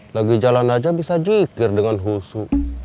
lagi jalan aja bisa jikir dengan husu